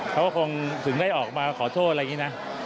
เขาก็คงถึงได้ออกมาขอโทษอะไรอย่างนี้นะ